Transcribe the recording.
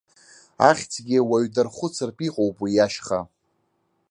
Ахьӡгьы уаҩ дархәыцыртә иҟоуп уи ашьха.